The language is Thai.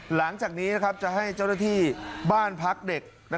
หลังจากนี้จะให้เจ้าหน้าที่บ้านพักเด็ก